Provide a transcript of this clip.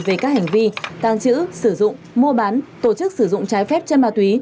về các hành vi tàng trữ sử dụng mua bán tổ chức sử dụng trái phép chân ma túy